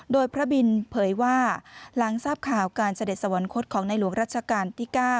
โดยพระบินเผยว่าหลังทราบข่าวการเสด็จสวรรคตของในหลวงรัชกาลที่๙